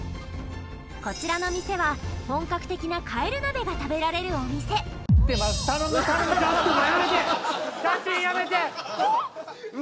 こちらの店は本格的なカエル鍋が食べられるお店写真やめて！